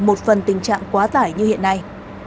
một phần tình trạng quá tải như hiện nay